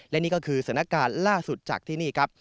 และนี่ก็คือสถานการณ์ล่าสุดจากที่นี่ครับ